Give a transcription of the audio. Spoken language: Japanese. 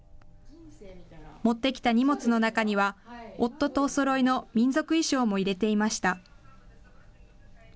持ってきた荷物の中には、夫とおそろいの民族衣装も入れていました。